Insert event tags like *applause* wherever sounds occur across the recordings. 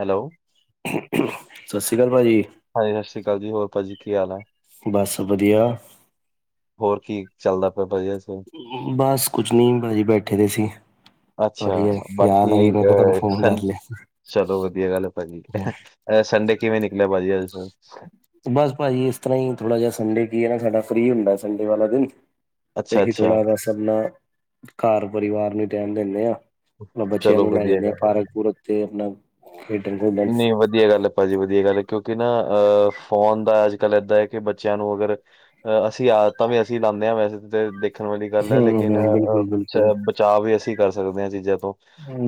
Hello. ਸਤਿ ਸ਼੍ਰੀ ਅਕਾਲ ਭਾਜੀ। ਹਾਂਜੀ, ਸਸ਼ੀ ਕਾਲ ਜੀ, ਹੋਰ ਭਾਜੀ ਕੀ ਹਾਲ ਹੈ? ਬਸ ਵਧੀਆ। ਹੋਰ ਕੀ ਚੱਲਦਾ ਪਿਆ ਭਾਜੀ ਅੱਜ ਕੱਲ? ਬਸ ਕੁਝ ਨੀ, ਬਾਜੀ ਬੈਠੇ ਦੇ ਸੀ। ਅੱਛਾ, ਤੁਹਾਡੀ ਯਾਦ ਆਈ ਬਾਕੀ ਮੈਂ ਕਿਹਾ ਤੁਹਾਨੂੰ ਅਹ ਫੋਨ ਸੰ, ਕਰ ਚਲੋ ਵਧੀਆ ਗੱਲ ਹੈ ਭਾਜੀ। ਲਿਆ ਏਹ ਸੰਡੇ ਕਿਵੇਂ ਨਿਕਲਿਆ ਭਾਜੀ *unintelligible* ਬਸ ਭਾਜੀ ਇਸ ਤਰ੍ਹਾਂ ਹੀ, ਥੋੜ੍ਹਾ ਜਿਹਾ ਸੰਡੇ ਕੀ ਹੈ ਨਾ, ਸਾਡਾ ਫ੍ਰਰੀ ਹੁੰਦਾ ਸੰਡੇ ਵਾਲਾ ਦਿਨ। ਅੱਛਾ ਏਹੀ ਅੱਛਾ ਥੋੜ੍ਹਾ ਬਸ ਆਪਣਾ, ਕਾਰ ਪਰਿਵਾਰ ਨੂੰ ਟੈਮ ਦੇਣੇ ਆ। ਬ ਬੱਚਿਆਂ ਚਲੋ ਨੂੰ ਲੈ ਵਧੀਆ ਜਾਂਣੇ ਆ ਗੱਲ ਪਾਰਕ ਪੂਰਕ, ਤੇ ਆਪਣਾ ਖੇਡਣ ਨਈ ਵਧ ਧੀਆ ਗੱਲ ਏ ਭਾਜੀ, ਵਧੀਆ ਗੱਲ ਏ, ਕਿਉਂਕਿ ਨਾ ਅਹ ਫੋਨ ਦਾ ਅੱਜ ਕੱਲ੍ਹ ਏਦਾਂ ਹੈ ਕਿ ਬੱਚਿਆਂ ਨੂੰ ਅਗਰ ਅ ਅਸੀਂ ਆਦਤਾਂ ਵੀ ਅਸੀਂ ਲਾਣੇ ਆ, ਵੈਸੇ ਤੇ ਦੇਖਣ ਵਾਲੀ ਗੱਲ ਹੈ ਹਮ ਲੇਕਿਨ ਹਮ ਅਹ-ਅਹ ਬਿਲਕੁਲ ਚ ਬਿਲਕੁਲ ਬ ਚਾਵ ਵੀ ਅਸੀਂ ਕਰ ਸਕਦੇ ਹਾਂ ਏਹ ਚੀਜ਼ਾਂ ਤੋਂ,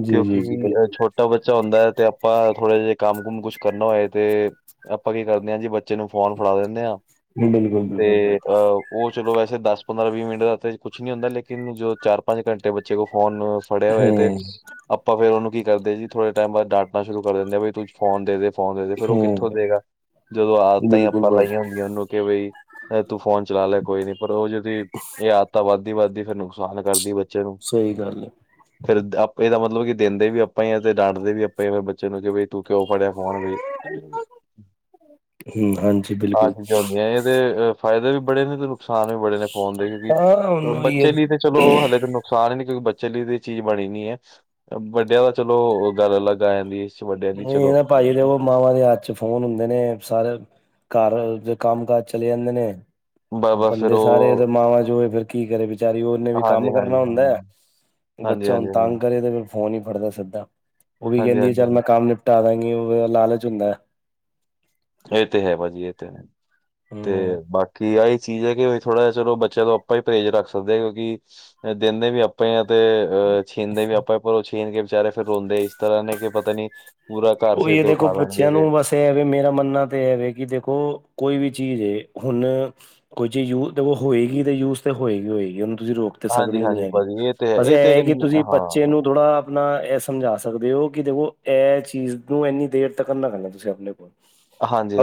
ਜੀ ਜੀ ਕਿਉਂਕਿ ਜੀ ਅਹ ਬਿਲਕੁਲ ਛੋਟ ਟਾ ਬੱਚਾ ਹੁੰਦਾ ਐ, ਤੇ ਅਪਾਂ ਥੋੜੇ ਜਿਹੇ ਕੰਮ ਕੁਮ ਕੁਛ ਕਰਨਾ ਹੋਏ ਤੇ, ਆਪਾਂ ਕੀ ਕਰਣੇ ਆ ਜੀ ਬੱਚੇ ਨੂੰ ਫੋਨ ਫੜਾ ਦਿੰਣੇ ਆ, ਬਿਲਕੁਲ ਤੇ ਬਿਲਕੁਲ ਅਹ ਉਹ ਚਲੋ ਵੈਸੇ ਦਸ ਪੰਦਰਾਂ ਵੀਹ ਮਿੰਟ ਦਾ ਤੇ ਕੁਛ ਨੀ ਹੁੰਦਾ, ਲੇਕਿਨ ਜੋ ਚਾਰ ਪੰਜ ਘੰਟੇ ਬੱਚੇ ਕੋਲ ਫੋਨ ਫੜੇਆ ਹੋਏ ਤੇ, ਹਮ ਆਪਾਂ ਫੇਰ ਉਹਨੂੰ ਕੀ ਕਰਦੇ ਜੀ, ਥੋੜੇ ਟੈਮ ਬਾਅਦ ਡਾਟਣਾ ਸ਼ੁਰੂ ਕਰ ਦਿੰਣੇ ਆ, ਬਈ ਫੋਨ ਦੇਦੇ, ਫੋਨ ਦੇਦੇ, ਫੇਰ ਓ ਕਿੱਥੋਂ ਹਮ ਦੇਗਾ? ਜਦੋਂ ਆਦਤਾਂ ਈ ਬਿਲਕੁਲ ਆਪਾਂ ਬਸ ਲਾਈਆਂ ਹੁੰਦੀਆਂ ਓਨੂੰ ਤੇ ਬਈ ਲੈ ਤੂੰ ਫੋਨ ਚਲਾ ਲੈ ਕੋਈ ਨੀ, ਪਰ ਓ ਜਦੀ, ਏ ਆਦਤਾਂ ਵੱਧਦੀ-ਵੱਧਦੀ ਫੇਰ ਨੁਕਸਾਨ ਕਰਦੀ ਬੱ ਸਈ ਗੱਲ ਐ। ਫੇਰ ਦ ਆਪੇ, ਏਦਾ ਮਤਲਬ ਕੀ ਦੇਂਦੇ ਵੀ ਆਪਾਂ ਈ ਆ, ਤੇ ਡਾਂਟਦੇ ਵੀ ਆਪਾਂ ਈ, ਫਿਰ ਬੱਚੇ ਨੂੰ ਜੇ ਬਈ ਤੂੰ ਕਿਉਂ ਫੜਿਆ ਫੋਨ ਬਈ? ਹਮ ਹਾਂਜੀ ਆਹ ਬਿਲਕੁਲ ਚੀਜ਼ਾਂ ਹੁੰਦੀਆਂ, ਐ ਤੇ ਅ ਫਾਇਦੇ ਵੀ ਬੜੇ ਨੇ, ਤੇ ਨੁਕਸਾਨ ਵੀ ਬੜੇ ਨੇ ਫੋਨ ਦੇ ਕਿਉਂਕਿ, ਹਾਂ ਉਹਨੂੰ ਹੀ ਹੈ ਬੱਚੇ ਲਈ ਤੇ ਚਲੋ ਹਲੇ ਨੁਕ ਸਾਨ ਏ, ਨੀ ਕਿਉਂਕਿ ਬੱਚੇ ਲਈ ਤੇ ਏਹ ਚੀਜ਼ ਬਣੀ ਨੀ ਐ। ਵੱਡੇਆਂ ਦਾ ਚਲੋ ਗੱਲ ਅਲੱਗ ਆ ਜਾਂਦੀ ਏ। ਏ ਹੈ ਨਾ ਭਾਜੀ ਦੇਖੋ ਮਾਵਾਂ ਦੇ ਹੱਥ ਚ ਫੋਨ ਹੁੰਦੇ ਨੇ, ਸਾਰੇ ਘਰ ਦੇ ਕੰਮ ਕਾਜ ਚਲੇ ਜਾਂਦੇ ਨੇ ਬ ਬਸ ਫਿਰ ਬੰਦੇ ਸਾਰੇ, ਤੇ ਉਹ ਮਾਵਾਂ ਜੋ ਏ ਫੇਰ ਕੀ ਕਰੇ ਬਚਾਰੀ? ਓਨੇ ਵੀ ਕੰਮ ਹਾਂਜੀ-ਹਾਂਜੀ, ਕਰਨਾ ਹੁੰਦਾ ਐ। ਹਾਂਜੀ-ਹਾਂਜੀ, ਬੱਚਾ ਹੁਣ ਹਾਂਜੀ-ਹਾਂਜੀ, ਹਾਂਜੀ-ਹਾਂਜੀ, ਹਾਂਜੀ ਤੰਗ ਕਰੇ, ਤੇ ਫੇ ਫੋਨ ਈ ਫੜਦਾ ਸਿੱਧਾ। ਓ ਵੀ ਹਾਂਜੀ ਕੈਂਦੀ ਹਾਂਜੀ ਹਾਂਜੀ ਚੱਲ ਮੈਂ ਹਾਂਜੀ। ਕੰਮ ਨਿਪਟਾ ਦਾਂਗੀ, ਓ ਲਾਲਚ ਹੁੰਦਾ ਐ। ਏ ਤੇ ਹੈ ਭਾਜੀ, ਏ ਤੇ ਹੈ, ਤੇ ਹਮ ਬਾਕੀ ਆਈ ਚੀਜ਼ ਐ ਕੀ ਵੀ, ਥੋੜਾ ਜਾ ਚਲੋ ਬੱਚਿਆਂ ਤੋਂ ਆਪਾਂ ਈ ਪਰਹੇਜ਼ ਰੱਖ ਸਕਦੇ ਆਂ, ਕਿਉਂਕਿ ਦੇਨੇ ਵੀ ਆ ਪਏ ਆ, ਤੇ ਅਹ ਛੀਨਦੇ ਵੀ ਆਪਾਂ, ਪਰ ਓ ਛੀਨ ਕੇ ਵਿਚਾਰੇ ਫੇਰ ਰੋਂਦੇ ਇਸ ਤਰ੍ਹਾਂ ਨੇ, ਕੇ ਪਤਾ ਨੀ ਪੂਰਾ ਕਾਰ ਸਿਰ ਤੇ ਉਠਾ ਲੈਣਗੇ ਫੇਰ। ਤੇ ਐ ਵੇਂ ਮੇਰਾ ਮੰਨਣਾ ਤੇ ਐ ਵੇ, ਕੀ ਦੇਖੋ ਕੋਈ ਵੀ ਚੀਜ਼ ਏ, ਹੁਣ ਕੋਈ ਚੀਜ਼ ਯੂਜਡ ਹੋਏਗੀ, ਤੇ ਯੂਜ ਤੇ ਹੋਏਗੀ-ਹੋਏਗੀ ਓਨੂੰ ਤੁਸੀਂ ਰੋਕ ਤੇ ਹਾਂਜੀ ਸਕਦੇ ਨੀ ਹਾਂਜੀ ਹੈਗੇ, ਭਾਜੀ ਇਹ ਤੇ ਹੈ ਬਸ ਇਹ ਤੇ ਐ ਕਿ ਕੀ ਤੁਸੀਂ ਬੱਚੇ ਹਾਂ ਨੂੰ ਥੋੜ੍ਹਾ ਅਪਣਾ ਐ ਸਮਝਾ ਸਕਦੇ ਓ ਕੀ ਦੇਖੋ ਐ, ਚੀਜ਼ ਨੂੰ ਏਨੀ ਦੇਰ ਤੱਕ ਨਾ ਰੱਖਣਾ ਤੁਸੀਂ ਆਪਣੇ ਕੋਲ।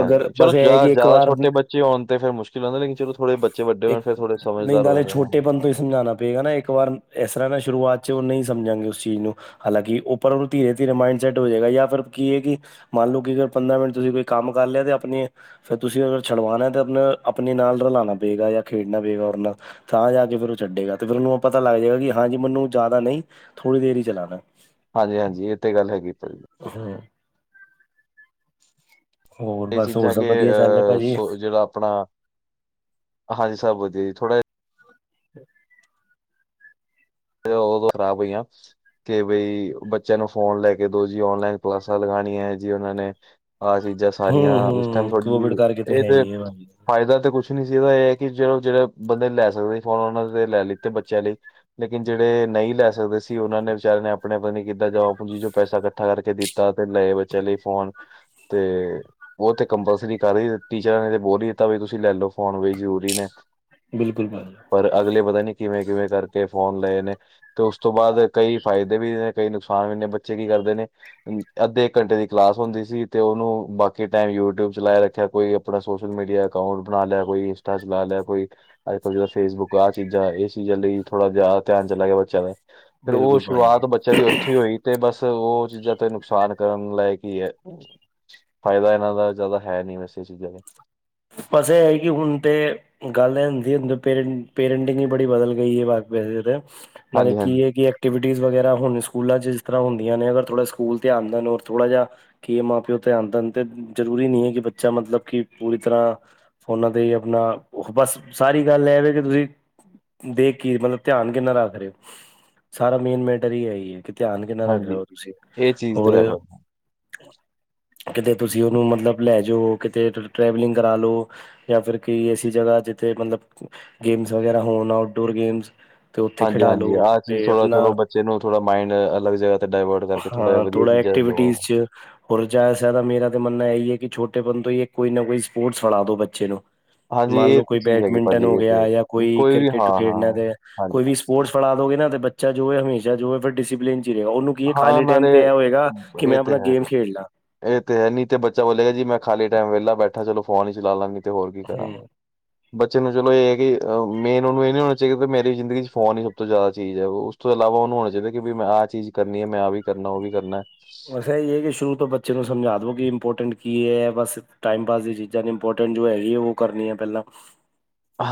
ਅਗਰ ਚਲੋ ਬਸ ਇਹ ਹੈ ਜਾ ਕਿ ਇੱਕ ਜਾਦਾ ਵਾਰ ਛੋਟੇ ਬੱਚੇ ਹੋਣ ਤੇ ਫੇਰ ਮੁਸ਼ਕਿਲ ਹੂੰਦਾ ਲੇਕਿਨ ਚਲੋ ਥੋੜੇ ਬੱਚੇ ਵੱਡੇ ਇੱਕ ਹੋਣ ਫਿਰ ਥੋੜੇ ਨਈ ਸਮਝਦਾਰ ਹੋ ਨਾਲੇ ਜਾਂਦੇ ਨੇ ਛੋਟੇ ਬੰਦੇ ਤੋਂ ਈ ਸਮਝਾਣਾ ਪਏਗਾ ਨਾ ਇੱ ਇੱਕ ਵਾਰ ਐਸ ਤਰ੍ਹਾਂ ਨਾ ਸ਼ੁਰੂਆਤ ਚ ਓ ਨਈ ਸਮਝਾਂਗੇ ਉਸ ਚੀਜ਼ ਨੂੰ। ਹਾਲਾਂਕਿ ਉੱਪਰ ਉਨੂੰ ਧੀਰੇ-ਧੀਰੇ ਮਾਈੰਡਸੈੱਟ ਹੋਜੇਗਾ ਯਾਂ *unintelligible* ਕੀ ਐ ਕੀ ਮੰਨ ਲੋ ਕਈ ਵਾਰ ਪੰਦਰਾਂ ਮਿੰਟ ਤੁਸੀਂ ਕੋਈ ਕੰਮ ਕਰ ਲਿਆ ਤੇ ਆਪਣੀ ਫੇਰ ਤੁਸੀਂ ਅਗਰ ਛੁਡਵਾਣਾ ਤਾਂ ਆਪਣੇ ਨਾਲ ਰਲਾਣਾ ਪਏਗਾ ਜਾਂ ਖੇਡਣਾ ਪਏਗਾ ਉਰ ਨਾਲ। ਥਾਂ ਜਾ ਕੇ ਫੇਰ ਓ ਛੱਡੇਗਾ, ਤੇ ਫੇਰ ਓਨੂੰ ਪਤਾ ਲੱਗ ਜੇਗਾ ਕੀ ਹਾਂਜੀ ਮਨੂੰ ਜਾਦਾ ਨਈ ਥੋੜ੍ਹੀ ਦੇਰ ਈ ਚਲਾਣਾ। ਹਾਂਜੀ-ਹਾਂਜੀ ਏ ਤੇ ਗੱਲ ਹੈਗੀ *unintelligible* ਹੂੰ। ਹੋਰ ਏ ਬਸ ਹੋਰ ਚੀਜ਼ਾਂ ਕੇ ਸਭ ਵਧੀਆ ਚੱਲ ਰਿਹਾ ਅਹ ਭਾਜੀ ਸੋ ਜੇੜਾ ਆਪਣਾ ਹਾਂਜੀ ਸਭ ਵਧੀਆ ਜੀ ਥੋੜਾ ਜਾ। ਠੀਕ ਐ। ਫੇਰ ਓ ਖਰਾਬ ਹੋਈਆਂ। ਕੇ ਬਈ ਬੱਚਿਆਂ ਨੂੰ ਫੋਨ ਲੈ ਕੇ ਦੋ ਜੀ ਔਨਲਾਈਨ ਕਲਾਸਾਂ ਲਗਾਣੀਐ ਜੀ ਓਨਾਂ ਨੇ। ਆਹ ਚੀਜ਼ਾਂ ਸਾਰੀਆਂ ਹੂੰ ਉਸ ਟੈਮ ਹੂੰ ਥੋੜੀ ਕੋਵਿਡ ਜੀ ਕਰਕੇ ਏ ਹੈ ਤੇ ਹੀ ਹੈ ਭਾਜੀ ਫਾਇਦਾ ਤੇ ਕੁੱਛ ਨੀ ਸੀ ਏਦਾ ਏ ਐ ਕੀ ਚਲੋ, ਜੇੜਾ ਬੰਦੇ ਲੈ ਸਕਦੇ ਫੋਨ ਓਨਾਂ ਦੇ ਲੈ ਲਿੱਤੇ ਬੱਚਿਆਂ ਲਈ। ਲੇਕਿਨ ਜੇੜੇ ਨਈ ਲੈ ਸਕਦੇ ਸੀ, ਓਨਾਂ ਨੇ ਵਿਚਾਰਿਆਂ ਨੇ ਆਪਣੇ ਪਤਾ ਨੀ ਕਿੱਦਾਂ ਜਮਾ ਪੂੰਜੀ ਚੋ ਪੈਸਾ ਕੱਠਾ ਕਰਕੇ ਦਿੱ ਤਾ ਫੇਰ ਲਏ ਬੱਚਿਆਂ ਲਈ ਫੋਨ ਤੇ ਓ ਤੇ ਕੰਪਲਸਰੀ ਕਰ ਈ ਦਿੱਤੀ ਟੀਚਰਾਂ ਨੇ ਤੇ ਬੋਲ ਈ ਦਿੱਤਾ, ਵੀ ਤੁਸੀਂ ਲੈ ਲੋ ਫੋਨ ਵੀ ਜ਼ਰੂਰੀ ਨੇ। ਬਿਲਕੁੱਲ ਭਾਜੀ। ਪਰ ਅਗਲੇ ਪਤਾ ਨੀ ਕਿਵੇਂ-ਕਿਵੇਂ ਕਰਕੇ ਫੋਨ ਲਏ ਨੇ। ਤੇ ਉਸ ਤੋਂ ਬਾਦ ਕਈ ਫਾਇਦੇ ਵੀ ਨੇ ਕਈ ਨੁਕਸਾਨ ਵੀ ਨੇ ਬੱਚੇ ਕੀ ਕਰਦੇ ਨੇ ਅੱਧੇ ਇੱਕ ਘੰਟੇ ਦੀ ਕਲਾਸ ਹੁੰਦੀ ਸੀ, ਤੇ ਓਨੂੰ ਬਾਕੀ ਟਾਈਮ ਯੂਟਿਊਬ ਚਲਾ ਰੱਖਿਆ ਕੋਈ ਥੋੜਾ ਸੋਸ਼ਲ ਮੀਡੀਆ ਅਕਾਊਂਟ ਬਣਾ ਲਿਆ, ਕੋਈ ਇੰਸਟਾ ਚਲਾ ਲਿਆ ਕੋਈ। ਅੱਜ-ਕੱਲ੍ਹ ਜਾਦਾਂ ਫੇਸਬੁੱਕ ਆਹ ਚੀਜ਼ਾਂ ਏਸ ਚੀਜ਼ਾਂ ਲਈ ਥੋੜ੍ਹਾ ਜਾਦਾ ਧਿਆਨ ਚਲਾ ਗਿਆ, ਬੱਚਿਆਂ ਦਾ ਫੇਰ ਓ ਬਿਲਕੁਲ ਸ਼ੁਰੂਆਤ ਭਾਜੀ ਬੱਚਿਆਂ ਦੀ ਓਥੋਂ ਹੀ ਹੋਈ। ਤੇ ਬਸ ਓ ਚੀਜ਼ਾਂ ਤੇ ਨੁਕਸਾਨ ਕਰਨ ਲਾਇਕ ਈ ਐ। ਫਾਇਦਾ ਏਨਾਂ ਦਾ ਜਾਦਾ ਹੈਨੀ ਵੈਸੇ ਏ ਚੀਜ਼ਾਂ ਦੇ। ਬਸ ਐ ਹੈ ਕੀ ਹੁਣ ਤੇ ਗੱਲ ਐ ਹੁੰਦੀ ਪੇਰੇਂਟ ਪੇਰੈਂਟਿੰਗ ਈ ਬੜੀ ਬਦਲ ਗਈ *unintelligible* ਨਾਲੇ ਕੀ ਹਾਂਜੀ-ਹਾਂਜੀ, ਇਹ ਹੈ ਕੀ। ਐਕਟੀਵਿਟੀਜ ਵਗੈਰਾ ਹੁਣ ਸਕੂਲਾਂ ਚ ਜਿਸ ਤਰ੍ਹਾਂ ਹੁੰਦੀਆਂ ਨੇ ਅਗਰ ਥੋੜ੍ਹਾ ਸਕੂਲ ਧਿਆਨ ਦੇਣ ਔਰ ਥੋੜ੍ਹਾ ਜਿਹਾ। ਕਿ ਇਹ ਮਾਂ ਪਿਓ ਧਿਆਨ ਦੇਣ ਤੇ ਜਰੂਰੀ ਨੀ ਹੈ, ਕਿ ਬੱਚਾ ਮਤਲਬ ਕਿ ਪੂਰੀ। ਤਰ੍ਹਾਂ ਫੋਨਾਂ ਤੇ ਆਪਣਾ ਉਹ ਬਸ ਸਾਰੀ ਗੱਲ ਇਹਵੇ ਕਿ ਤੁਸੀਂ। ਦੇਖ ਕੀ ਮਤਲਬ ਧਿਆਨ, ਕਿੰਨਾ ਰੱਖ ਰਹੇ ਹੋ ਸਾਰਾ ਮੇਨ ਮੈਟਰ ਹੀ ਹੈ ਹੀ ਹੈ ਕਿ। ਧਿਆਨ ਕਿੰਨਾ ਰੱਖ ਰੇ ਹਾਂਜੀ ਹਾਂਜੀ ਹੋ ਤੁਸੀਂ ਇਹ ਚੀਜ਼ ਤੇ ਹੋਰ। ਹੈ ਪਰ ਕਿਤੇ ਤੁਸੀਂ ਉਹਨੂੰ ਮਤਲਬ ਲੈ ਜਾਓ ਕਿਤੇ। ਟਰੈਵਲਿੰਗ ਕਰਾ ਲੋ ਜਾਂ ਫਿਰ ਕੋਈ ਐਸੀ ਜਗਾ ਜਿੱਥੇ ਮਤਲਬ। ਗੇਮਸ ਵਗੈਰਾ ਹੋਣ ਆਊਟਡੋਰ ਗੇਮਸ। ਤੇ ਉੱਥੇ ਖਿਡਾ ਲੋ ਹਾਂਜੀ-ਹਾਂਜੀ, ਆਹ ਚੀਜ਼ ਤੇ ਥੋੜ੍ਹਾ ਆਪਣਾ ਚਲੋ ਬੱਚੇ ਨੂੰ ਥੋੜ੍ਹਾ ਮਾਇੰਡ ਅਲੱਗ ਜੇਹਾ ਡਾਇਵਰਟ ਕਰਕੇ। ਥੋੜਾ ਜਿਹਾ ਹਾਂ ਵਧੀਆ ਥੋੜ੍ਹਾ ਚੀਜ਼ਾਂ ਐਕਟੀਵਿਟੀਜ਼ ਲਵਾਓ। ਚ। ਹੋਰ ਜਿਆਦਾ ਸੇ ਜਿਆਦਾ ਮੇਰਾ ਤਾਂ ਮੰਨਣਾ ਇਹੀ ਹੈ, ਕਿ ਛੋਟੇ ਪੰਨ ਤੋਂ ਹੀ ਕੋਈ ਨਾ ਕੋਈ ਸਪੋਰਟਸ ਫੜਾ ਦੋ ਬੱਚੇ ਨੂੰ। ਹਾਂਜੀ ਮੰਨ ਇਹ ਲਓ ਤੇ ਕੋਈ ਚੀਜ਼ ਹੈਗੀ ਬੈਡਮਿੰਟਨ ਭਾਜੀ ਹੋ ਇਹ ਤੇ ਗਿਆ, ਜਾਂ ਕੋਈ ਵੀ ਕ੍ਰਿਕਟ ਹਾਂ-ਹਾਂ ਖੇਡਣਾ ਤੇ ਹਾਂਜੀ ਕੋਈ ਵੀ ਸਪ। ਸਪੋਰਟਸ ਫੜਾ ਦੋਗੇ ਨਾ ਤੇ ਬੱਚਾ ਜੋ ਹੈਵੇ ਹਮੇਸ਼ਾ ਜੋ ਹੈ ਫਿਰ ਡਿਸਪਲਨ ਚ ਰਹੇਗਾ ਉਹਨੂੰ। ਕੀ ਹਾਂ ਖਾਲੀ ਟਾਈਮ ਨਾਲੇ ਤੇ ਇਹ ਹੋਏਗਾ, ਕਿ ਮੈਂ ਇਹ ਤੇ ਆਪਣਾ ਹੈ ਗੇਮ ਤੇ ਖੇਡ ਲਾਂ। ਇਹ ਤੇ ਹੈ ਨੀ ਤੇ ਬੱਚਾ ਬੋਲੇਗਾ ਜੀ ਮ ਖਾਲੀ ਟਾਈਮ ਵਿਹਲਾ ਬੈਠਾ ਚਲੋ ਫੋਨ ਹੀ ਚਲਾ ਲੈਂਦੀ ਤੇ ਹੋਰ ਕੀ ਕਰਾਂ। ਹੂੰ *inaudible* ਬੱਚੇ ਨੂੰ ਚਲੋ ਇਹ ਹੈ, ਕਿ ਮੇਨ ਉਹਨੂੰ ਇਹ ਨੀ ਹੋਣਾ ਚਾਹੀਦਾ, ਕਿ ਮੇਰੀ ਜ਼ਿੰਦਗੀ ਚ ਫੋਨ ਹੀ ਸਭ ਤੋਂ ਜ਼ਿਆਦਾ ਚੀਜ਼ ਹੈ। ਉਸ ਤੋਂ ਇਲਾਵਾ ਉਹਨੂੰ ਹੋਣਾ ਚਾਹੀਦਾ ਕਿ ਮੈਂ ਆਹ ਚੀਜ਼ ਕਰਨੀ ਹੈ ਮੈਂ ਆਹ ਵੀ ਕਰਨਾ ਉਹ ਵੀ ਕਰਨਾ। ਇਹੀ ਹੈ ਕਿ ਸ਼ੁਰੂ ਤੋਂ ਬੱਚੇ ਨੂੰ ਸਮਝਾ ਦਉ ਕਿ ਇੰਪੋਰਟੈਂਟ ਕੀ ਹੈ ਬਸ ਟਾਈਮ ਪਾਸ ਦੀ ਚੀਜ਼ਾਂ ਨੇ ਇੰਪੋਰਟੈਂਟ ਜੋ ਹੈਗੀ ਹੈ ਉਹ। ਕਰਨੀ ਆ ਪਹਿਲਾਂ।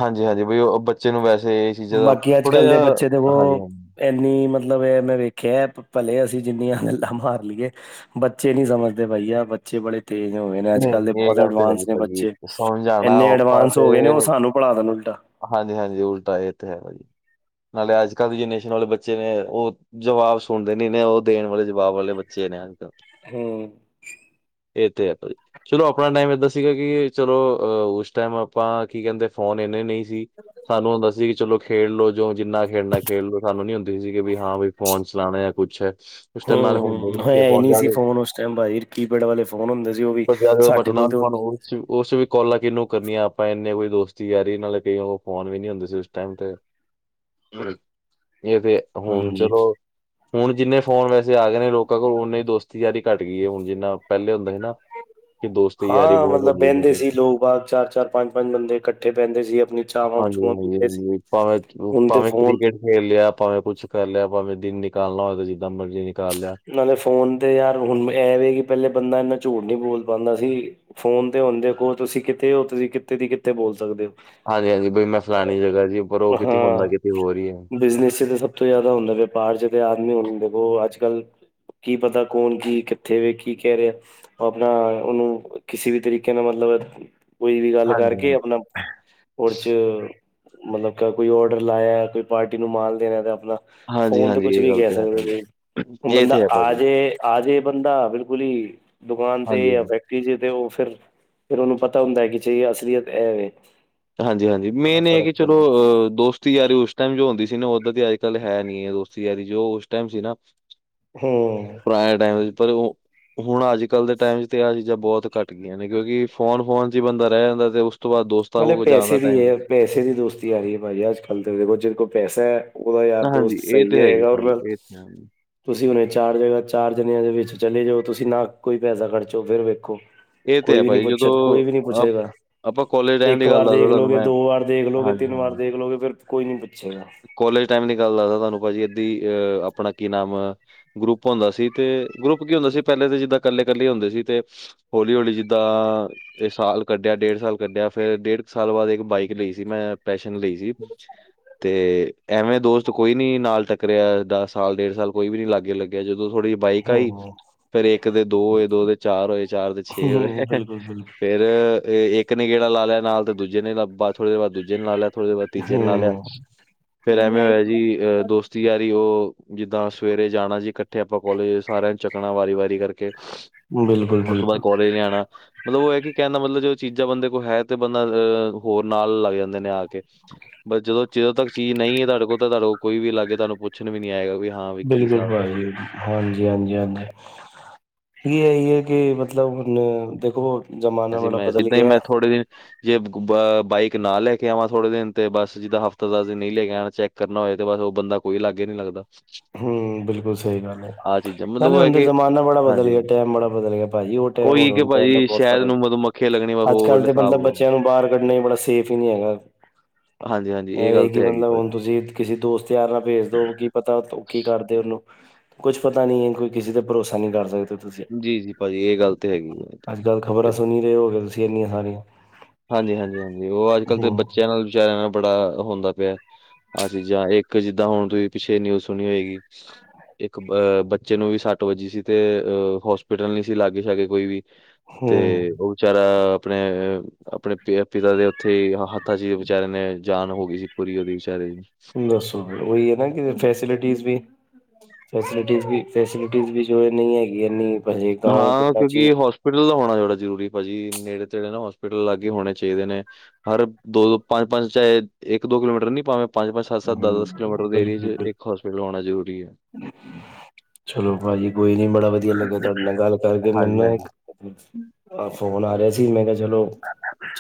ਹਾਂਜੀ-ਹਾਂਜੀ ਬਈ ਉਹ ਬੱਚੇ ਨੂੰ ਵੈਸੇ। ਚੀਜ਼ਾਂ ਦਾ ਬਾਕੀ ਅੱਜ ਥੋੜਾ ਕੱਲ੍ਹ ਜਿਹਾ ਦੇ ਬੱਚੇ ਦੇਖੋ। ਹਾਂਜੀ-ਹਾਂਜੀ। ਇੰਨੀ ਮਤਲਬ ਇਹ ਮੈਂ ਵੇਖਿਆ ਭਲੇ ਅਸੀਂ ਜਿੰਨੀਆਂ ਗੱਲਾਂ ਮਾਰ ਲਈਏ। ਬੱਚੇ ਨੀ ਸਮਝਦੇ ਬਾਈ ਆ ਬੱਚੇ ਬੜੇ। ਤੇਜ ਹੋ ਗਏ ਨੇ ਅੱਜ ਕੱਲ੍ਹ ਨਹੀਂ ਇਹ ਬਹੁਤ ਗੱਲ ਤੇ ਹੈਗੀ ਐਡਵਾਂਸ ਨੇ ਭਾਜੀ ਬੱਚੇ, ਸਮਝਾਣਾ ਐਨੇ ਐਡਵਾਂਸ ਹੋ ਗਏ ਨੇ ਕਿ ਸਾਨੂੰ ਪੜਾ ਦੇਣ ਉਲਟਾ ਹਾਂਜੀ-ਹਾਂਜੀ ਉਲਟਾ ਇਹ ਤੇ ਹੈਗਾ ਜੀ, ਨਾਲੇ ਅੱਜ ਕੱਲ੍ਹ ਦੀ ਜਨਰੇਸ਼ਨ ਵਾਲੇ ਬੱਚੇ ਨੇ ਉਹ। ਜਵਾਬ ਸੁਣਦੇ ਨੀ ਨੇ ਉਹ ਦੇਣ ਵਾਲੇ ਜਵਾਬ ਵਾਲੇ ਬੱਚੇ ਨੇ ਅੱਜ ਕੱਲ। ਹਮ। ਇਹ ਤੇ ਹੈ ਬਾਈ। ਚਲੋ ਆਪਣਾ ਟਾਈਮ ਏਦਾਂ ਸੀਗਾ ਕਿ ਚਲੋ ਅਹ ਉਸ ਟਾਈਮ ਆਪਾਂ ਕੀ ਕਹਿੰਦੇ ਫੋਨ ਇੰਨੇ ਨਹੀਂ। ਜੀ ਸਾਨੂੰ ਹੁੰਦਾ ਸੀ ਕਿ ਚਲੋ। ਖੇਡਲੋ ਜੋ ਜਿੰਨਾ ਖੇਡਣਾ ਖੇਡ ਲੋ ਸਾਨੂੰ ਨੀ ਹੁੰਦੀ ਸੀਗੀ ਵੀ ਹਾਂ ਵੀ ਫੋਨ ਚਲਾਉਣੇ ਆ ਕੁਛ ਹੈ। ਉਸ ਟਾਈਮ ਨਾਲੇ ਹੁੰਦਾ ਵੀ ਹਮ-ਹਮ ਹੈ ਹੀ ਨਹੀਂ ਸੀ ਜਾ ਫੋਨ ਉਸ ਟਾਈਮ ਭਾਜੀ। ਕੀਪੈਡ ਵਾਲੇ ਫੋਨ ਹੁੰਦੇ ਸੀ ਉਹ ਵੀ, ਜ਼ਿਆਦਾ ਬਟ ਸਾਡੇ ਕੋਲ ਨਾਲ ਤੇ ਫੋਨ ਹੁੰਦੇ ਨਹੀ। ਉਸ ਉਸ ਚ ਵੀ ਕਾਲਾਂ ਕਿਹਨੂੰ ਕਰਨੀਆਂ ਆਪਾਂ ਇੰਨੇ ਕੋਈ ਦੋਸਤੀ ਯਾਰੀ ਨਾਲੇ ਕਈ ਫੋਨ ਵੀ ਨੀ ਹੁੰਦੇ ਸੀ ਉਸ ਟਾਈਮ ਤੇ। ਇਹ ਤੇ ਹੁਣ ਹਾਂਜੀ ਚਲੋ। ਹੁਣ ਜਿੰਨੇ ਫੋਨ ਵੈਸੇ ਆ ਗਏ ਨੇ ਲੋਕਾਂ ਕੋਲ ਉਨੀ ਦੋਸਤੀ ਯਾਰੀ ਘੱਟ ਗਈ ਹੈ ਹੁਣ ਜਿੰਨਾ ਪਹਿਲੇ ਹੁੰਦਾ ਸੀ ਨਾ। ਕਿ ਦੋਸਤੀ ਯਾਰੀ ਹਾਂ ਬਹੁਤ ਮਤਲਬ ਹੁੰਦੀ ਬਹਿੰਦੇ ਉਦੋਂ। ਸੀ ਲੋਕ ਬਾਹਰ ਚਾਰ-ਚਾਰ ਪੰਜ-ਪੰਜ ਬੰਦੇ ਇਕੱਠੇ ਬਹਿੰਦੇ ਸੀ ਆਪਣੀ। ਚਾਹਵਾਂ ਚੂਹਾਂ ਪੀਂਦੇ ਸੀ ਹਾਂਜੀ-ਹਾਂਜੀ-ਹਾਂਜੀ ਭਾਵੇਂ ਥਰੁ ਹੁਣ ਤੇ ਭਾਵੇਂ ਫੋਨ ਕ੍ਰਿਕਟ। ਖੇਲ ਲਿਆ ਭਾਵੇਂ ਕੁਛ ਕਰ ਲਿਆ ਭਾਵੇਂ ਦਿਨ ਨਿਕਾਲਣਾ ਹੋਵੇ ਤਾਂ ਜਿੱਦਾਂ ਮਰਜ਼ੀ ਨਿਕਾਲ ਲਿਆ। ਨਾਲੇ ਫੋਨ ਤੇ ਯਾਰ ਹੁਣ ਐਵੇ ਕਿ ਪਹਿਲੇ ਬੰਦਾ ਇੰਨਾ ਝੂਠ ਨਹੀਂ ਬੋਲ ਪਾਉਂਦਾ ਸੀ। ਫੋਨ ਤੇ ਹੁੰਦੇ ਦੇਖੋ ਤੁਸੀਂ ਕਿਤੇ ਹੋ ਤੁਸੀਂ ਕਿੱਤੇ ਦੀ ਕਿੱਥਤੇ ਬੋਲ ਸਕਦੇ ਹੋ। ਹਾਂਜੀ-ਹਾਂਜੀ ਬਈ ਮੈਂ ਫਲਾਨਣੀ ਜਗ੍ਹਾ ਜੀ ਪਰ ਉਹ ਕਿਤੇ ਹੁੰਦਾ ਹਾਂ, ਕਿਤੇ ਹੋਰ ਹੀ ਹੈ। ਬਿਜ਼ਨਸ ਚ ਤਾਂ ਸਭ। ਸਭ ਤੋਂ ਜ਼ਿਆਦਾ ਹੁੰਦਾ ਵਪਾਰ ਚ ਤੇ ਆਦਮੀ ਹੁੰ ਦੇਖੋ ਅੱਜ ਕੱਲ੍ਹ। ਕੀ ਪਤਾ ਕੌਣ ਕੀ ਕਿੱਥੇ ਵੇ ਕੀ ਕਹਿ ਰਿਹਾ। ਉਹ ਆਪਣਾ ਉਹਨੂੰ ਕਿਸੇ ਵੀ ਤਰੀਕੇ ਨਾਲ ਮਤਲਬ ਕੋਈ ਵੀ ਗੱਲ ਹਾਂਜੀ ਕਰਕੇ ਹਾਂਜੀ ਆਪਣਾ। ਉਹ ਚ ਮਤਲਬ ਕੋਈ ਆਰਡਰ ਲਾਇਆ ਕੋਈ ਪਾਰਟੀ ਨੂੰ ਮਾਲ ਦੇਣਾ ਤੇ ਆਪਣਾ। ਹਾਂਜੀ ਫੋਨ ਤੇ ਹਾਂਜੀ ਕੁਛ ਇਹ ਵੀ ਗੱਲ ਕਹਿ ਤੇ ਹੈ ਸਕਦੇ ਭਾਜੀ ਸੀ। ਇਹ ਬੰਦਾ ਤੇ ਹੈ ਆ ਭਾਜੀ ਜੇ, ਆ ਜੇ ਬੰਦਾ ਬਿਲਕੁਲ ਹੀ ਦੁਕਾਨ ਤੇ, ਹਾਂਜੀ ਯਾ ਹਾਂਜੀ ਕੀ ਜੇ ਤੇ ਉਹ ਫਿਰ, ਫਿਰ ਉਹਨੂੰ ਪਤਾ ਹੁੰਦਾ ਕਿ ਚਹੀ ਅਸਲੀਅਤ ਇਹਵੇ। ਹਾਂਜੀ- ਹਾਂਜੀ ਮੇਨ ਇਹ ਕਿ, ਚਲੋ, ਅ ਦੋਸਤ ਦੋਸਤੀ ਯਾਰੀ ਉਸ ਟਾਈਮ ਜੋ ਹੁੰਦੀ ਸੀ ਨਾ, ਉੱਦਾਂ ਦੀ ਅੱਜ ਕੱਲ ਹੈ ਨੀ ਹੈ ਦੋਸਤੀ ਯਾਰੀ ਜੋ ਉਸ ਟਾਈਮ ਸੀ ਨਾ ਹਮ। ਪੁਰਾਣੇ ਟਾਈਮ ਵਿੱਚ ਪਰ ਉਹ ਹੁਣ ਅੱਜ ਕੱਲ ਦੇ ਟਾਈਮ ਵਿੱਚ, ਤੇ ਆਹ ਚੀਜ਼ਾਂ ਬਹੁਤ ਘੱਟ ਗਈਆਂ ਨੇ ਕਿਉਂਕਿ ਫੋਨ ਫੋਨ ਚ ਬੰਦਾ ਰਹਿ ਜਾਂਦਾ, ਤੇ ਉਸ ਤੋਂ ਬਾਅਦ ਦੋਸਤਾਂ ਮਤਲਬ ਕੋਲ ਜਾਂਦਾ ਟਾਈਮ ਪੈਸੇ ਦੀ ਦੋਸਤੀ ਯਾਰੀ ਹੈ ਭਾਜੀ ਅੱਜ ਕੱਲ ਦੇਖੋ ਜਿ ਕੋਲ ਪੈਸਾ ਹੈ। ਉਹਦਾ ਯਾਰ ਦੋਸਤ ਹਾਂਜੀ, ਇਹ ਸਹੀ ਤੇ ਹੈਗੀ ਰਹੇਗਾ। ਭਾਜੀ ਔਰ ਇਹ ਤੇ ਹੈ, ਤੁਸੀਂ ਹੁਨੇ ਚਾਰ ਜਗ੍ਹਾ, ਚਾਰ ਜਨਿਆਂ ਦੇ ਵਿੱਚ ਚਲੇ ਜੋ, ਤੁਸੀਂ ਨਾ ਕੋਈ ਪੈਸਾ ਖਰਚੋ ਫਿਰ ਵੇਖੋ। ਇਹ ਤੇ ਕੋਈ ਹੈ ਵੀ ਨੀ ਭਾਜੀ ਪੁੱਛ, ਜਦੋਂ ਕੋਈ ਵੀ ਨੀ ਅ ਪੁੱਛੇਗਾ ਆਪਾਂ ਕੋਲਜ ਇੱਕ ਵਾਰ ਦੇਖ ਲੋਗੇ, ਦੋ ਵਾਰ ਦੇਖਲੋਗੇ, ਤਿੰਨ ਵਾਰ ਦੇਖ ਲੋਗੇ, ਫਿਰ ਕੋਈ ਨੀ ਪੁੱਛੇਗਾ। ਕੋਲੇਜ ਟਾਈਮ ਦੀ ਗੱਲ ਦੱਸਦਾ ਤੁਹਾਨੂੰ ਭਾਜੀ ਅਦੀ ਅ, ਆਪਣਾ ਕੀ ਨਾਮ ਗਰੁੱਪ ਹੁੰਦਾ ਸੀ। ਤੇ ਗਰੁੱਪ ਕੀ ਹੁੰਦਾ ਸੀ ਪਹਿਲੇ ਤਾਂ ਜਿੱਦਾਂ ਕੱਲੇ- ਕੱਲੇ ਹੁੰਦੇ ਸੀ। ਤੇ ਹੌਲੀ ਹੌਲੀ ਜਿੱਦਾਂ ਇਹ ਸਾਲ ਕੱਢਿਆ, ਡੇਢ ਸਾਲ ਕੱਢਿਆ, ਫੇਰ ਡੇਢ ਕੁ ਸਾਲ ਬਾਅਦ ਇੱਕ ਬਾਈਕ ਲਈ ਸੀ, ਮੈਂ ਪੈਸ਼ਨ ਲਈ ਸੀ ਤੇ ਐਵੇਂ ਦੋਸਤ ਕੋਈ ਨੀ ਨਾਲ ਟੱਕਰਿਆ, ਦਸ ਸਾਲ ਡੇਢ ਸਾਲ ਕੋਈ ਵੀ ਨੀ ਲਾਗੇ ਲੱਗਿਆ ਜਦੋਂ ਥੋੜ੍ਹੀ ਬਾਈਕ ਹੂੰ ਆਈ ਫੇਰ ਇੱਕ ਦੇ ਦੋ ਹੋਏ, ਦੋ ਦੇ ਚਾਰ ਹੋਏ, ਚਾਰ ਦੇ ਛੇ ਹੋਏ, ਹੂੰ, ਬਿਲਕੁਲ ਬਿਲਕੁਲ ਫੇਰ ਫ ਇੱਕ ਨੇ ਗੇੜਾ ਲਾ ਲਆ ਨਾਲ, ਤੇ ਦੂਜੇ ਨੇ ਥੋੜੇ ਦੇ ਬਾਦ ਦੂਜੇ ਨੇ ਲਿਆ, ਥੋੜੇ ਦੇ ਬਾਦ ਤੀਜੇ ਨੇ ਲਾ ਲਿਆ। ਹੂੰ ਫੇਰ ਐਵੇਂ ਹੋਇਆ ਜੀ, ਅਹ ਦੋਸਤ ਦੋਸਤੀ ਯਾਰੀ ਉਹ ਜਿੱਦਾਂ ਸਵੇਰੇ ਜਾਣਾ ਜੀ ਕੱਠੇ ਆਪਾਂ ਕੋਲਜ, ਸਾਰਿਆਂ ਨੂੰ ਚੱਕਣਾ ਵਾਰੀ ਵਾਰੀ ਕਰਕੇ ਬਿਲਕੁਲ ਉਸ ਤੋਂ ਬਾਅਦ ਕੋਲੇਜ ਨੇ ਆਣਾ। ਮਤਲਬ ਉਹ ਹੈ ਕਿ ਕਹਿਣ ਦਾ ਮਤਲਬ, ਜੋ ਚੀਜ਼ਾਂ ਬੰਦੇ ਕੋਲ ਹੈ ਤੇ ਬੰਦਾ ਅਹ ਹੋਰ ਨਾਲ ਲੱਗ ਜਾਂਦੇ ਨੇ ਆ ਕੇ। ਬਸ ਜਦੋਂ, ਜਦੋਂ ਤੱਕ ਚੀਜ਼ ਨਹੀਂ ਹੈ ਤੁਹਾਡੇ ਕੋਲ, ਤਾਂ ਤੁਹਾਡੇ ਕੋਲ ਕੋਈ ਵੀ ਲਾਗੇ ਤੁਹਾਨੂੰ ਪੁੱਛਣ ਵੀ ਨੀ ਆਏਗਾ ਵੀ। ਹਾਂ ਵੀ ਕੀ ਹਿਸਾਬ ਕਰੋਗੇ ਹਾਂਜੀ- ਹਾਂਜੀ- ਹਾਂਜੀ, ਇਹ ਇਹੀ ਹੈ ਕਿ, ਮਤਲਬ ਹੁਣ ਦੇਖੋ ਅਸੀ ਮੈਂ ਸਿੱਦਾਂ ਹੀ ਮੈਂ ਥੋੜੇ ਦਿਨ ਜੇ ਬਾਈਕ ਨਾ ਲੈ ਕੇ ਆਵਾਂ ਥੋੜੇ ਦਿਨ, ਤੇ ਬਸ ਜਿੱਦਾਂ ਹਫ਼ਤਾ ਦਾ ਅਸੀਂ ਨਹੀਂ ਲੈ ਕੇ ਆਣਾ ਚੈੱਕ ਕਰਨਾ ਹੋਏ ਤੇ ਬਸ ਉਹ ਬੰਦਾ ਕੋਈ ਲਾਗੇ ਨਹੀਂ ਲੱਗਦਾ। ਹਮ, ਬਿਲਕੁਲ ਸਹੀ ਗੱਲ ਹੈ। ਆਹ ਚੀਜ਼ਾਂ ਮਤਲਬ ਨਾਲੇ ਉਹ ਹੈ ਹੁਨ ਤੇ ਕਿ ਜ਼ਮਾਨਾ ਬੜਾ ਬਦਲ ਗਿਆ, ਹਾਂਜੀ ਟਾਈਮ ਬੜਾ ਬਦਲ ਗਿਆ, ਪਾਂਦੀ, ਉਹ ਟਾਈਮ ਉਹੀ ਤੇ ਕਿ ਹੁਨ ਟਾਈਮ ਭਾਜੀ ਸ਼ਹਿਦ ਅਰੇ, ਨੂੰ ਮਧੂਮੱਖੀਆਂ ਲੱਗਣੀ ਵਾ ਅੱਜ ਕੱਲ ਹੋਰ ਤੇ ਹਿਸਾਬ ਮਤਲਬ ਬੱਚਿਆਂ ਨੂੰ ਬਾਹਰ ਕੱਢਣਾ ਬੜਾ ਸੇਫ ਹੀ ਨੀ ਹੈਗਾ। ਹਾਂਜੀ-ਹਾਂਜੀ ਇਹ ਗੱਲ ਕਿ ਤੇ ਹੈਗੀ ਮਤਲਬ ਹੁਣ ਭਾਜੀ ਤੁਸੀਂ ਕਿਸੇ ਦੋਸਤ ਯਾਰ ਨਾਲ ਭੇਜ ਦੋ, ਕੀ ਪਤਾ ਕੀ ਕਰਦੇ ਉਹਨੂੰ, ਕੁਛ ਪਤਾ ਨੀ ਹੈ ਕੋਈ ਕਿਸੇ ਤੇ ਭਰੋਸਾ ਨਹੀਂ ਕਰ ਸਕਦੇ ਤੁਸੀਂ ਜੀ- ਜੀ ਭਾਜੀ, ਇਹ ਗੱਲ ਤੇ ਹੈਗੀ ਆ। ਕਲ ਖ਼ਬਰ ਸੁਨ ਰਹੇ ਹੋ, ਗਏ ਤੁਸੀਂ ਇੰਨੀਆਂ ਸਾਰੀਆਂ ਹਾਂਜੀ ਹਾਂਜੀ ਹਾਂਜੀ, ਉਹ ਅੱਜ ਕੱਲ੍ਹ ਤੇ ਬੱਚਿਆਂ ਨਾਲ ਵਿਚਾਰਿਆਂ ਨਾਲ ਬੜਾ ਹੁੰਦਾ ਪਿਏ ਆਹ ਚੀਜ਼ਾਂ ਇੱਕ ਜਿੱਦਾਂ ਹੁਣ ਤੁਸੀਂ ਪਿੱਛੇ ਨਿਊਜ਼ ਸੁਣੀ ਹੋਏਗੀ। ਇੱਕ ਅ ਬੱਚੇ ਨੂੰ ਵੀ ਸੱਟ ਵੱਜੀ ਸੀ, ਤੇ ਅ ਹੋਸਪਿਟਲ ਨ ਸੀ ਲਾਗੇ ਹੇਗੇ, ਕੋਈ ਵੀ ਹੂੰ-ਹੂੰ, ਤੇ ਉਹ ਵਿਚਾਰਾ ਅਪਨੇ, ਅਪਨੇ ਪਿਤਾ ਦੇ ਉੱਥੇ ਹੀੱ ਪਿਤਾ ਜੀ ਵਿਚਾਰੇ ਨੇ ਜਾਨ ਹੋ ਗਈ ਸੀ ਪੂਰੀ ਉਹਦੀ ਵਿਚਾਰੇ ਦਸੌ, ਉਹਹੀ ਹੈ ਨਾ ਕਿ ਫੈਸਿਲਿਟੀਜ਼ ਵੀ ਫੈਸਿਲਟੀਜ ਵੀ, ਫੈਸਿਲਟੀ ਵੀ ਜੋ ਨੀ ਹੈਗੀਆਂ ਏਨੀ। ਹਾਂ। ਕਿਉਂਕਿ ਹੋਸ ਪਿਟਲ ਦਾ ਹੋਣਾ ਬੜਾ ਜ਼ਰੂਰੀ ਭਾਜੀ, ਨੇੜੇ ਤੇੜੇ ਨਾ ਹੋਸਪਿਟਲ ਲਾਗੇ ਹੋਣੇ ਚਾਹੀਦੇ ਨੇ। ਹਰ ਦੋ ਦੋ ਪੰਜ ਪੰਜ ਚਾਹੇ, ਇੱਕ ਦੋ ਕਿਲੋਮੀਟਰ ਨੀ ਭਾਵੇਂ ਪੰਜ ਪੰਜ, ਸੱਤ ਸੱਤ, ਦਸ ਹੂੰ, ਦਸ, ਕਿਲੋਮੀਟਰ ਦੇ ਏਰੀਏ ਚ ਬਿਲਕੁਲ-ਬਿਲਕੁਲ। ਇੱਕ ਹੋਸਪਿਟਲ ਹੋਣਾ ਜ਼ਰੂਰੀ ਏ ਚਲੋ ਭਾਜੀ, ਕੋਈ ਨੀ ਬੜਾ ਵਧੀਆ ਲੱਗਿਆ ਤੁਹਾਡੇ ਨਾਲ ਗੱਲ ਕਰਕੇ, ਮੈਨੂੰ ਹਾਂਜੀ, ਨਾ ਹਾਂਜੀ। ਇੱਕ ਫੋਨ ਆ ਰਿਹਾ ਸੀ, ਮੈਂ ਕਿਹਾ ਚਲੋ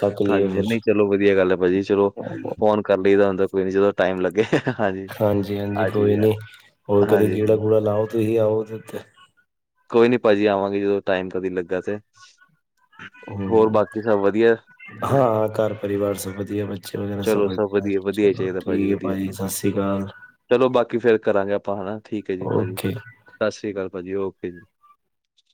ਚੱਕ ਲਈਏ ਹਾਂਜੀ। ਫਿਰ ਨਹੀਂ। ਚਲੋ। ਵਧੀਆ। ਗੱਲ। ਹੈ। ਭਾਜੀ। ਚਲੋ। ਫੋਨ। ਕਰ। ਲਈਦਾ। ਹੁੰਦਾ। ਕੋਈ। ਨੀ। 'ਚ। ਟਾਈਮ। ਲੱਗੇ। ਹਾਂਜੀ- ਹਾਂਜੀ, ਆ ਕੋਈ ਚੀਜ਼ ਹੈ ਨੀ, ਹੋਰ ਕਦੇ ਹਾਂਜੀ, ਗੇੜਾ ਹਾਂਜੀ -ਗੂੜਾ ਲਾਓ ਤੁਸੀ ਆਓ ਤੇ ਕੋਈ। ਨੀ। ਭਾਜੀ। ਆਵਾਂਗੇ। ਜਦੋਂ। ਟਾਈਮ। ਕਦੀ। ਲੱਗਾ। ਤੇ। ਹੋਰ। ਬਾਕੀ। ਸਭ। ਵਧੀਆ। ਹਾਂ-ਹਾਂ। ਘਰ। ਪਰਿਵਾਰ। ਸਭ ਵਧੀਆ। ਬੱਚੇ। ਵਗੈਰਾ। ਸਭ ਚਲੋ ਵਧੀਆ। ਵਧੀਆ ਹੀ ਚਲੋ। ਚਾਹੀਦਾ ਠੀਕ। ਆ। ਵਧੀਆ ਭਾਜੀ। ਸਤਿ। ਸ੍ਰੀ। ਅਕਾਲ। ਚਲੋ। ਬਾਕੀ। ਫਿਰ। ਕਰਾਂਗੇ। ਆਪਾਂ। ਹਨਾ। ਠੀਕ। ਹੈ। ਜੀ। ਭਾਜੀ। ਜੀ। ਓਕੇ ਸਤਿ। ਸ੍ਰੀ। ਅਕਾਲ। ਭਾਜੀ। ਜੀ। ਓਕੇ। ਹਠ। *unintelligible*